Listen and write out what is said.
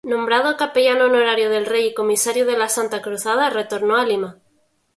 Nombrado capellán honorario del Rey y Comisario de la Santa Cruzada, retornó a Lima.